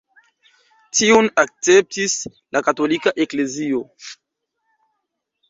Tiun akceptis la katolika eklezio.